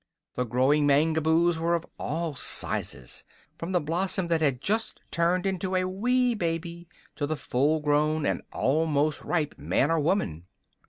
The growing Mangaboos were of all sizes, from the blossom that had just turned into a wee baby to the full grown and almost ripe man or woman.